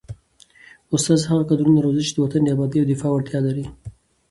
استاد هغه کدرونه روزي چي د وطن د ابادۍ او دفاع وړتیا ولري.